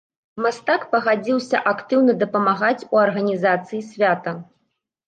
Мастак пагадзіўся актыўна дапамагаць ў арганізацыі свята.